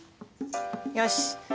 よし！